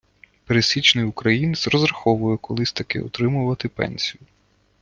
Пересічний українець розраховує колись таки отримувати пенсію.